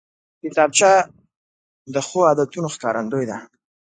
کتابچه د ښو عادتونو ښکارندوی ده